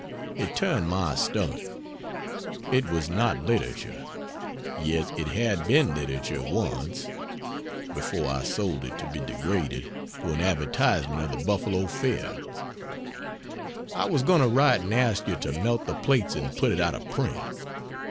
It turned my stomach. It was not literature; yet it had been literature once before I sold it to be degraded to an advertisement of the Buffalo Fair. I was going to write and ask you to melt the plates and put it out of print.